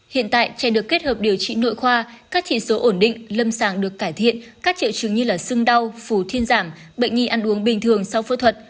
hiện tại trẻ được kết hợp điều trị nội khoa các chỉ số ổn định lâm sàng được cải thiện các triệu chứng như sưng đau phủ thiên giảm bệnh nhi ăn uống bình thường sau phẫu thuật